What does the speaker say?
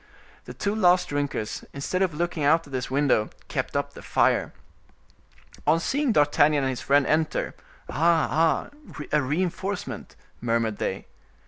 The two last drinkers, instead of looking out at this window, kept up the fire. On seeing D'Artagnan and his friend enter:—"Ah! ah! a reinforcement," murmured they.